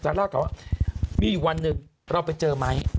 ซาร่าก็ว่ามีวันหนึ่งเราไปเจอไมค์